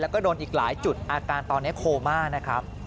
แล้วก็โดนอีกหลายจุดอาการตอนนี้โคม่านะครับ